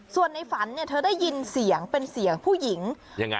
ส่วนในฝันเนี่ยเธอได้ยินเสียงเป็นเสียงผู้หญิงยังไง